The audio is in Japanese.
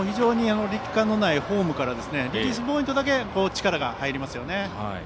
力感のないフォームからリリースポイントだけ力が入りますよね。